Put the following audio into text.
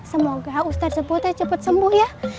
semoga ustadz sepuh teh cepet sembuh ya